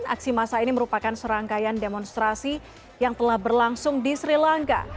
aksi masa ini merupakan serangkaian demonstrasi yang telah berlangsung di sri lanka